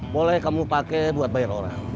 boleh kamu pakai buat bayar orang